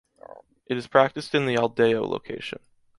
It is practiced in the Aldao location.